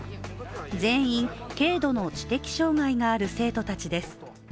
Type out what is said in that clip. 全員、軽度の知的障害がある生徒たちです。